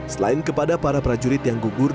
selain kepada para prajurit yang gugur